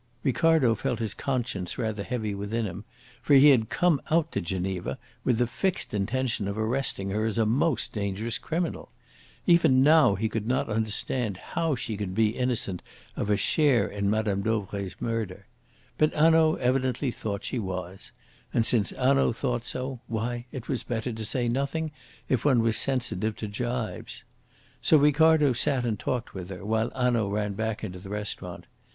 Ricardo felt his conscience rather heavy within him, for he had come out to Geneva with the fixed intention of arresting her as a most dangerous criminal. Even now he could not understand how she could be innocent of a share in Mme. Dauvray's murder. But Hanaud evidently thought she was. And since Hanaud thought so, why, it was better to say nothing if one was sensitive to gibes. So Ricardo sat and talked with her while Hanaud ran back into the restaurant.